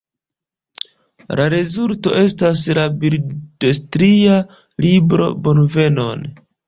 La rezulto estas la bildstria libro Bonvenon!